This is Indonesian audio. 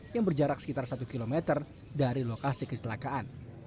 yang berjarak sekitar satu km dari lokasi kecelakaan